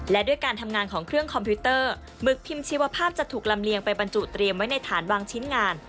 และด้วยการทำงานของเครื่องคอมพิวเตอร์หมึกพิมพ์ชีวภาพจะถูกลำเลียงไปบรรจุเตรียมไว้ในฐานวางชิ้นงาน